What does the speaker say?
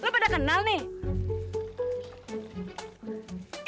lo pada kenal nih